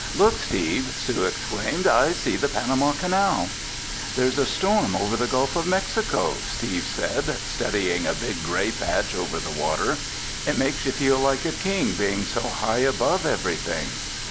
"Look, Steve!" Sue exclaimed. "I see the Panama Canal!" "There's a storm over the Gulf of Mexico," Steve said, studying a big gray patch over the water. "It makes you feel like a king being so high above everything!"